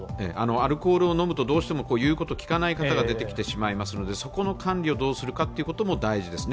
アルコールを飲むとどうしてもいうことをきかない方が出てきてしまうのでそこの管理をどうするかも大事ですね。